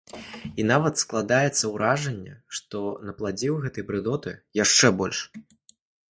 І нават складваецца ўражанне, што напладзіў гэтай брыдоты яшчэ больш.